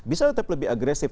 bisa tetap lebih agresif